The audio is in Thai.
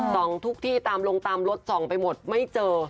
ส่องทุกที่ตามลงตามรถส่องไปหมดไม่เจอ